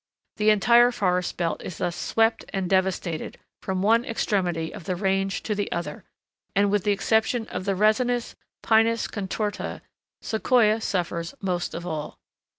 The entire forest belt is thus swept and devastated from one extremity of the range to the other, and, with the exception of the resinous Pinus contorta, Sequoia suffers most of all.